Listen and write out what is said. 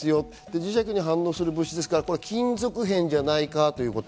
磁石に反応する物ですから金属片じゃないかということ。